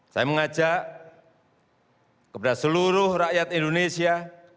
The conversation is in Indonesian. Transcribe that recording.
saya mengajak kepada seluruh rakyat indonesia